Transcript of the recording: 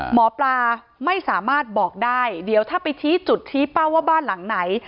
หมอปลาไม่สามารถบอกได้เดี๋ยวถ้าไปชี้จุดชี้เป้าว่าบ้านหลังไหน